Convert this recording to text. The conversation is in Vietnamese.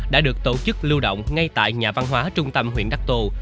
đã được tổ chức lưu động ngay tại nhà văn hóa trung tâm huyện đắc tô